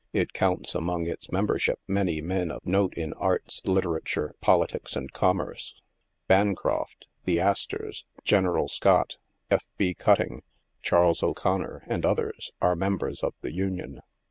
It counts among its membership many men of note in arts, literature, politics and commerce. Bancroft, the Astors, General Scott, F. B. Cutting, Charles O'Conor, and others, are members of the Union.